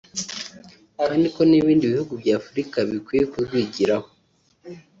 kandi ko n’ibindi bihugu bya Afurika bikwiye kurwigiraho